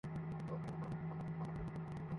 তালই কয়, কেমমে যামু সামনে মোগো হালের গোইন।